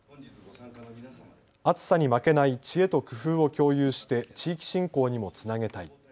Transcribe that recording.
暑さに負けない知恵と工夫を共有して地域振興にもつなげたい。